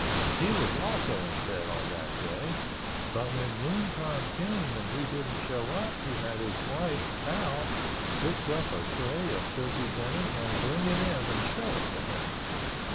He was also in bed on that day—but when noontime came and we didn't show up he had his wife, Pal, fix up a tray of turkey dinner and bring it in and show it to him.